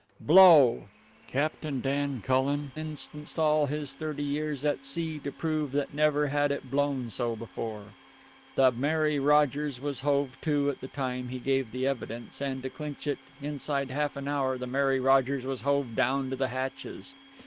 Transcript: Blow! Captain Dan Cullen instanced all his thirty years at sea to prove that never had it blown so before. The Mary Rogers was hove to at the time he gave the evidence, and, to clinch it, inside half an hour the Mary Rogers was hove down to the hatches.